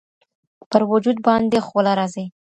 پر وجود بـانـدي خـولـه راځي